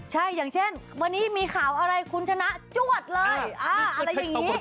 ใช่เอย่างเช่นวันนี้มีข่าวอะไรคุณชนะจวดเลย